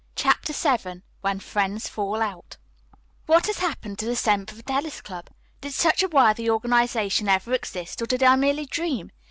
CHAPTER VII WHEN FRIENDS FALL OUT "What has happened to the Semper Fidelis Club? Did such a worthy organization ever exist, or did I merely dream?"